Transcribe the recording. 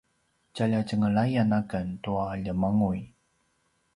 tjalja tjenglayan aken tua ljemanguy